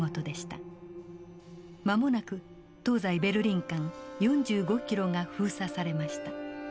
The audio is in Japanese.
間もなく東西ベルリン間４５キロが封鎖されました。